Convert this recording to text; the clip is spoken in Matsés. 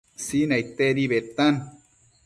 Sinaidtedi bedtan